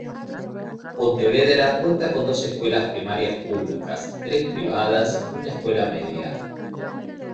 Pontevedra cuenta con dos escuelas primarias públicas, tres privadas y una escuela media.